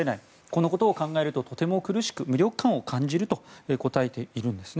このことを考えるととても苦しく無力感を感じると答えています。